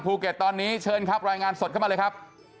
ตอนนี้เชิญครับรายงานสดเข้ามาเลยครับ